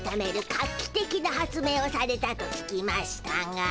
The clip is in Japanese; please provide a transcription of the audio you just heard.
画期的な発明をされたと聞きましたが。